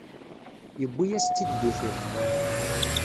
Yewwi-yas-tt-id di tiṭ.